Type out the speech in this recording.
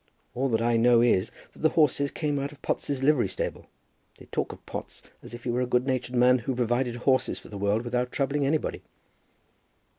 All that I know is that the horses come out of Potts' livery stable. They talk of Potts as if he were a good natured man who provides horses for the world without troubling anybody."